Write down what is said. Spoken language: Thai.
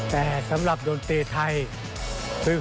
แต่สำหรับดนตรีไทย